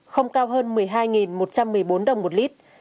không cao hơn một mươi hai một trăm một mươi bốn đồng một lít